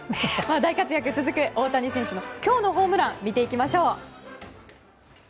大活躍が続く大谷選手の今日のホームランから見ていきましょう。